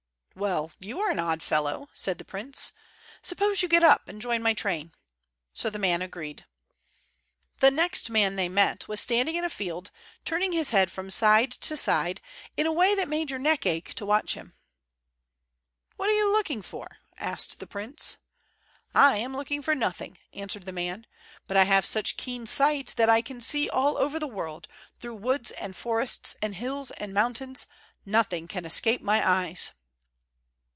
"Well, you are an odd fellow," said the prince. "Suppose you get up and join my train?" So the man agreed. The next man they met was standing in a field turning his head from side to side in a way that made your neck ache to watch him. "What are you looking for?" asked the prince. "I am looking for nothing," answered the man. "But I have such keen sight that I can see all over the world, through woods and forests, and hills and mountains; nothing can escape my eyes."